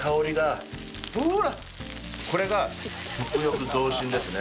これが食欲増進ですね。